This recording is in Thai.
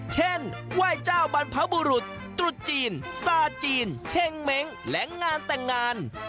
เช่นไหว้เจ้าบรรพบุรุษตรุษจีนซาจีนเทงเม้งและงานแต่งงาน